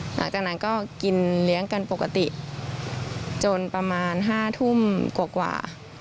หลังจากนั้นก็กินเลี้ยงกันปกติจนประมาณ๕ทุ่มกว่า